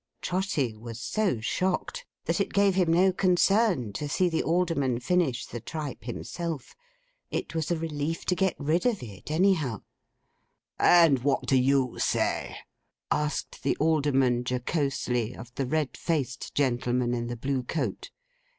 Trotty was so shocked, that it gave him no concern to see the Alderman finish the tripe himself. It was a relief to get rid of it, anyhow. 'And what do you say?' asked the Alderman, jocosely, of the red faced gentleman in the blue coat.